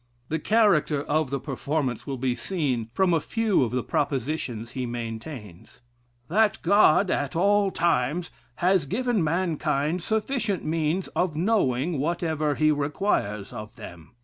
The character of the performance will be seen from a few of the propositions he maintains: "That God, at all times, has given mankind sufficient means of knowing whatever he requires of them.